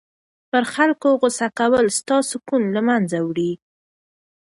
پر خلکو غصه کول ستا سکون له منځه وړي.